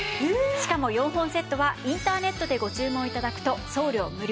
しかも４本セットはインターネットでご注文頂くと送料無料です。